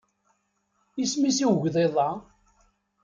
Isem-is i ugḍiḍ-a?